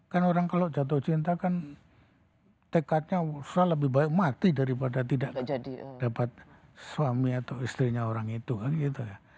kan orang kalau jatuh cinta kan tekadnya sudah lebih baik mati daripada tidak dapat suami atau istrinya orang itu kan gitu ya